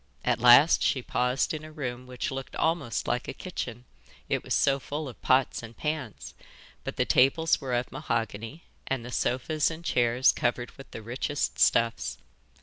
At last she paused in a room which looked almost like a kitchen, it was so full of pots and pans, but the tables were of mahogany and the sofas and chairs covered with the richest stuffs.